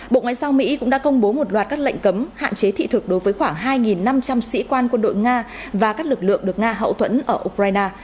bộ ngoại giao mỹ cũng đã công bố một loạt các lệnh cấm hạn chế thị thực đối với khoảng hai năm trăm linh sĩ quan quân đội nga và các lực lượng được nga hậu thuẫn ở ukraine